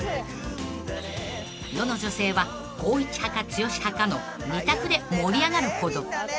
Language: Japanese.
［世の女性は光一派か剛派かの２択で盛り上がるほど］